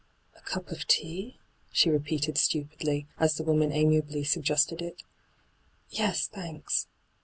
' A cup of tea ?' she repeated stupidly, as the woman amiably suggested it. ' Yes, thanks.'